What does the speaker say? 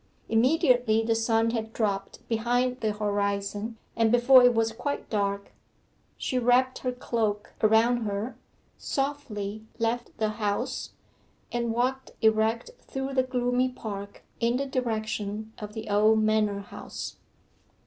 Immediately the sun had dropped behind the horizon, and before it was quite dark, she wrapped her cloak around her, softly left the house, and walked erect through the gloomy park in the direction of the old manor house.